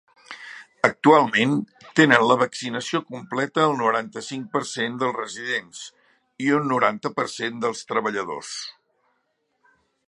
Actualment, tenen la vaccinació completa el noranta-cinc per cent dels residents i un noranta per cent dels treballadors.